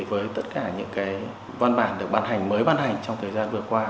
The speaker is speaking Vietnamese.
với tất cả những văn bản được bàn hành mới bàn hành trong thời gian vừa qua